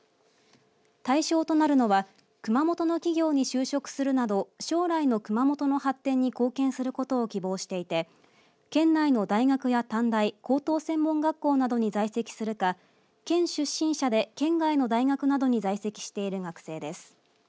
対象となるのは熊本の企業に就職するなど将来の熊本の発展に貢献することを希望していて県内の大学や短大高等専門学校などに在籍するか県出身者で県外の大学などに在籍している学生です。